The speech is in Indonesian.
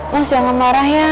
mas jangan marah ya